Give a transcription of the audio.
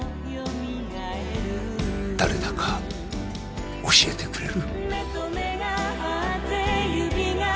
誰だか教えてくれる？